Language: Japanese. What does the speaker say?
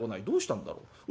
どうしたんだろう？